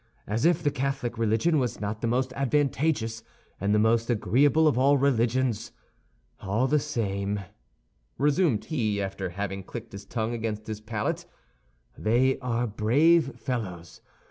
As if the Catholic religion was not the most advantageous and the most agreeable of all religions! All the same," resumed he, after having clicked his tongue against his palate, "they are brave fellows!